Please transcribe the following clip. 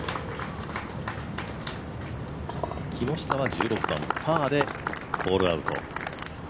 木下は１６番、パーでホールアウト。